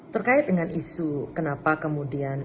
terkait dengan isu kenapa kemudian